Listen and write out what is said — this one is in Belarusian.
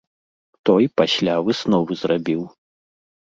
Той пасля высновы зрабіў.